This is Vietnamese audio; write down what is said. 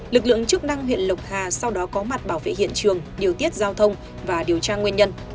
lực lượng chức năng huyện lộc hà sau đó có mặt bảo vệ hiện trường điều tiết giao thông và điều tra nguyên nhân